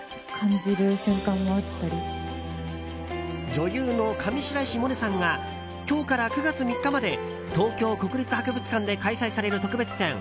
女優の上白石萌音さんが今日から９月３日まで東京国立博物館で開催される特別展